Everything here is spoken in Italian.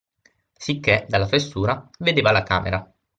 Sicché, dalla fessura, vedeva la camera